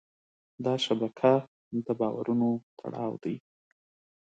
دا شبکه د باورونو تړاو دی.